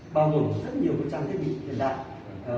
bao gồm rất nhiều trang thiết bị hiện đại